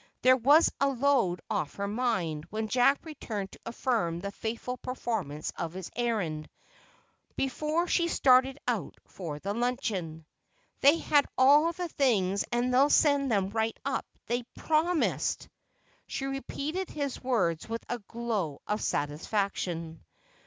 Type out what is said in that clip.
There was a load off her mind when Jack returned to affirm the faithful performance of his errand, before she started out for the luncheon. "'They had all the things and they'll send them right up, they promised.'" She repeated his words with a glow of satisfaction.